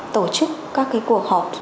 tổ chức các cái cuộc họp